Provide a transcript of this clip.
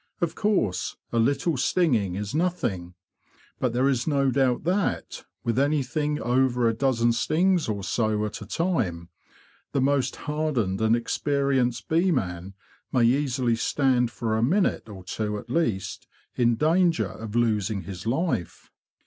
Of course, a little stinging is nothing; but there is no doubt that, with anything over a dozen stings or so at a time, the most hardened and experienced bee man may easily stand, for a minute or two at least, in danger of losing his life.